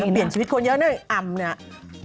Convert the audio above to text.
เปลี่ยนชีวิตคนเยอะนะอำเนี่ย